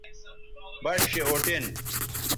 بَݜ چہء اُٹین